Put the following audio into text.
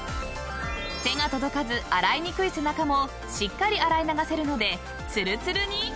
［手が届かず洗いにくい背中もしっかり洗い流せるのでつるつるに］